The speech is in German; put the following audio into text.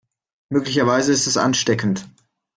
Möglicherweise ist es ansteckend.